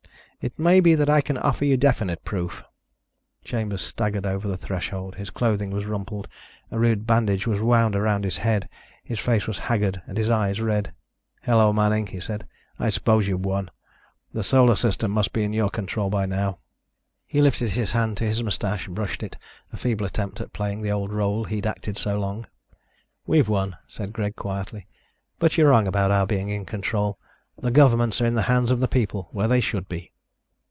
"It may be that I can offer you definite proof." Chambers staggered over the threshold. His clothing was rumpled. A rude bandage was wound around his head. His face was haggard and his eyes red. "Hello, Manning," he said. "I suppose you've won. The Solar System must be in your control by now." He lifted his hand to his mustache, brushed it, a feeble attempt at playing the old role he'd acted so long. "We've won," said Greg quietly, "but you're wrong about our being in control. The governments are in the hands of the people, where they should be."